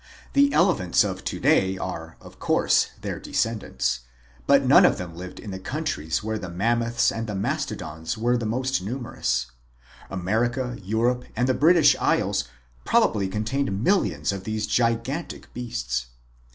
The elephants of to day are, of course, their descendants, but none of them live in the countries where the Mammoths and the Mastodons were the most numerous. America, Europe, and the British Isles probably contained millions of these gigantic beasts.